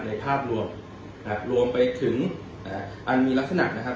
ในภาพรวมนะครับรวมไปถึงอ่าอันมีลักษณะนะครับ